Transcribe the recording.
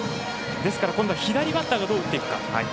ですから、今度は左バッターがどう打っていくか。